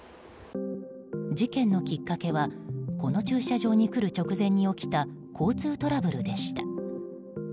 事件のきっかけはこの駐車場に来る直前に起きた交通トラブルでした。